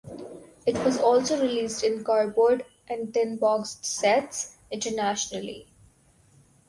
It was also released in cardboard and tin boxed sets, internationally.